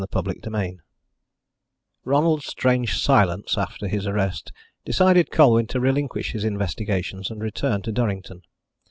CHAPTER XIII Ronald's strange silence after his arrest decided Colwyn to relinquish his investigations and return to Durrington.